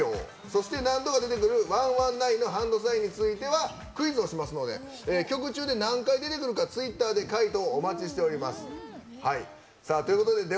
そして、何度か出てくる１１９のハンドサインについてはクイズをしますので曲中で何回、出てくるかツイッターで解答をお待ちしております。